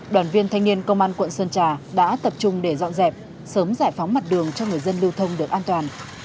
đoàn viên thanh niên công an quận sơn trà đã tập trung để dọn dẹp sớm giải phóng mặt đường cho người dân lưu thông được an toàn